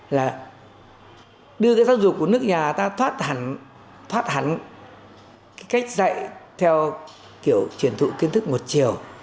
là đưa cái giáo dục của nước nhà ta thoát hẳn cách dạy theo kiểu truyền thụ kiến thức một chiều